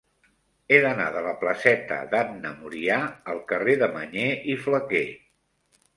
He d'anar de la placeta d'Anna Murià al carrer de Mañé i Flaquer.